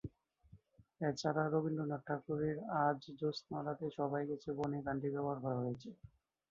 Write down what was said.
এছাড়া রবীন্দ্রনাথ ঠাকুরের "আজ জ্যোৎস্না রাতে সবাই গেছে বনে" গানটি ব্যবহার করা হয়েছে।